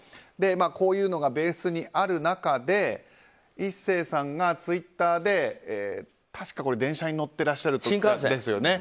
こういうのがベースにある中で壱成さんがツイッターで確か、電車に乗っていらっしゃるところでしたね。